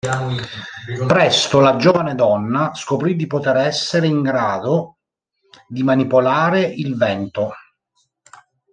Presto, la giovane donna scoprì di poter essere in grado di manipolare il vento.